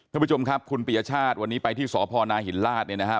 ท่านผู้ชมครับคุณปียชาติวันนี้ไปที่สพนหินราชเนี่ยนะครับ